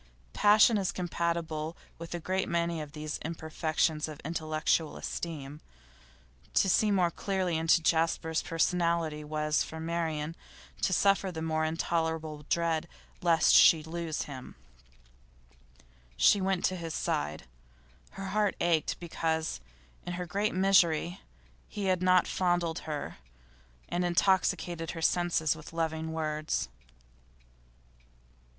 Passion is compatible with a great many of these imperfections of intellectual esteem. To see more clearly into Jasper's personality was, for Marian, to suffer the more intolerable dread lest she should lose him. She went to his side. Her heart ached because, in her great misery, he had not fondled her, and intoxicated her senses with loving words.